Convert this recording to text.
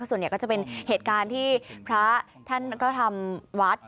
ส่วนใหญ่ก็จะเป็นเหตุการณ์ที่พระท่านก็ทำวัด